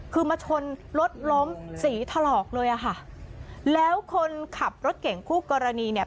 คือมาชนรถล้มสีถลอกเลยอ่ะค่ะแล้วคนขับรถเก่งคู่กรณีเนี่ย